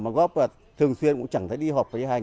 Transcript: mà góp thường xuyên cũng chẳng thấy đi họp với hành